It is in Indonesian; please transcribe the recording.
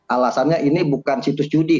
alasannya ini bukan situs judi